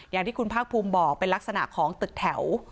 อย่างที่คุณภาคภูมิบอกเป็นลักษณะของตึกแถว